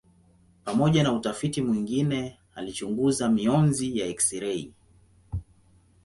Pamoja na utafiti mwingine alichunguza mionzi ya eksirei.